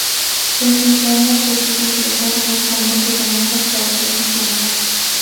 Con quince años decide ingresar en un convento de monjas para ser misionera.